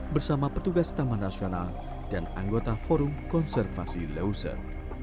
bersama petugas taman nasional dan anggota forum konservasi leuser